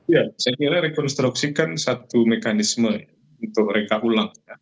ya saya kira rekonstruksikan satu mekanisme untuk reka ulang